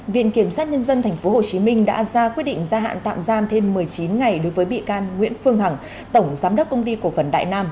viện kiểm sát nhân dân tp hcm đã ra quyết định gia hạn tạm giam thêm một mươi chín ngày đối với bị can nguyễn phương hằng tổng giám đốc công ty cổ phần đại nam